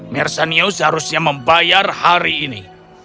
bassanio seharusnya membayar hari ini